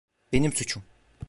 Benim suçum.